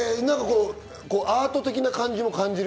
アート的な感じもある？